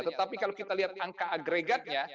tetapi kalau kita lihat angka agregatnya